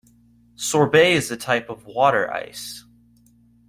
Sorbet is a type of water ice